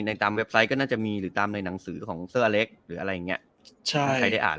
ตามเว็บไซต์ก็น่าจะมีหรือตามในหนังสือของเซอร์เล็กหรืออะไรอย่างเงี้ยใช่ใครได้อ่าน